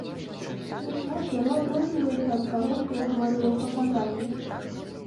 Дык вось, яно адрозніваецца ад таго, што я гаварыла ў паказаннях.